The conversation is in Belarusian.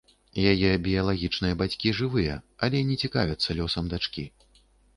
Яе біялагічныя бацькі жывыя, але не цікавяцца лёсам дачкі.